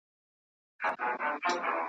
کوم یو کار دی چي بادار ماته سپارلی ,